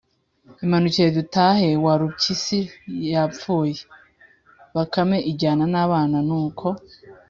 “Imanukire dutahe, Warupyisi yapfuye.” Bakame ijyana n’abana, nuko